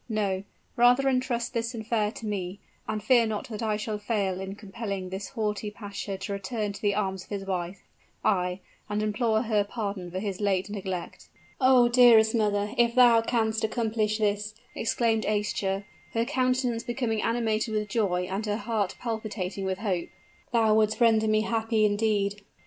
No rather intrust this affair to me; and fear not that I shall fail in compelling this haughty pasha to return to the arms of his wife ay, and implore her pardon for his late neglect." "Oh! dearest mother, if thou canst accomplish this," exclaimed Aischa, her countenance becoming animated with joy and her heart palpitating with hope, "thou wouldst render me happy indeed."